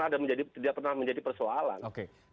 dan tidak pernah menjadi persoalan